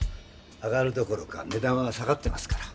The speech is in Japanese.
上がるどころかねだんは下がってますから。